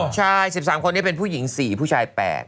ใช่๑๓คนเป็นผู้หญิง๔ผู้ชาย๘